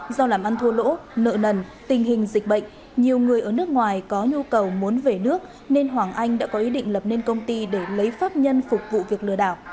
do làm ăn thua lỗ nợ nần tình hình dịch bệnh nhiều người ở nước ngoài có nhu cầu muốn về nước nên hoàng anh đã có ý định lập nên công ty để lấy pháp nhân phục vụ việc lừa đảo